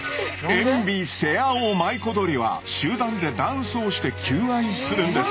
エンビセアオマイコドリは集団でダンスをして求愛するんです。